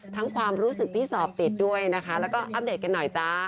ความรู้สึกที่สอบติดด้วยนะคะแล้วก็อัปเดตกันหน่อยจ้า